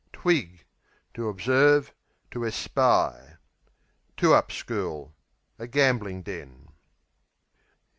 Twig To observe; to espy. Two up School A gambling den.